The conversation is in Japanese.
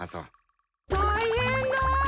大変だ！